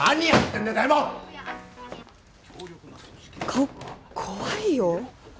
顔怖いよ。